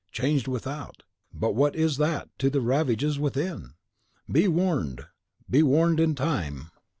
changed without; but what is that to the ravages within? Be warned, be warned in time!"